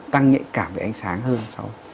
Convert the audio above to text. tăng nhạy cảm về ánh sáng hơn